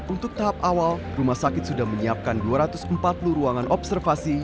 untuk tahap awal rumah sakit sudah menyiapkan dua ratus empat puluh ruangan observasi